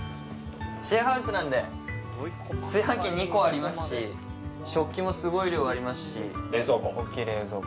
シェアハウスなんで炊飯器２個ありますし食器もすごい量ありますし冷蔵庫大きい冷蔵庫